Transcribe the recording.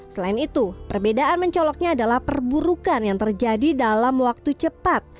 selain itu perbedaan mencoloknya adalah perburukan yang terjadi dalam waktu cepat